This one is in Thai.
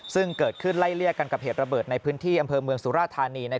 ซึ่งเกิดขึ้นไล่เลี่ยกันกับเหตุระเบิดในพื้นที่อำเภอเมืองสุราธานี